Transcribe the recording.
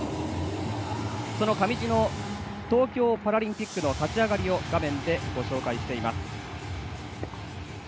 その上地の東京パラリンピックの勝ち上がりを画面でご紹介しました。